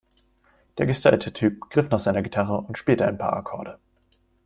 Der gestylte Typ griff nach seiner Gitarre und spielte ein paar Akkorde.